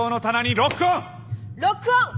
ロックオン！